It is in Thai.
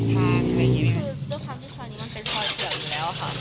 คือด้วยความที่ชานิ่งมันเป็นถ่อยเปลี่ยวอยู่แหละ